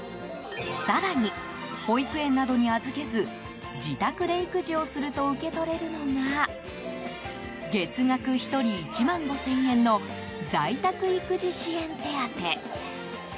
更に、保育園などに預けず自宅で育児をすると受け取れるのが月額１人１万５０００円の在宅育児支援手当。